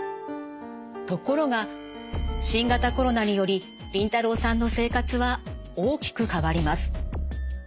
ところが新型コロナによりリンタロウさんの生活は大きく変わります。